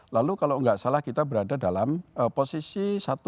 lalu kalau enggak salah kita berada dalam posisi tiga delapan